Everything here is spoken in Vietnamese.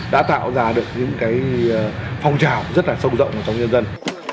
đã tạo ra được những phong trào rất là sâu rộng trong nhân dân